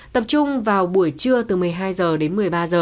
tập trung vào buổi trưa từ một mươi hai h đến một mươi ba h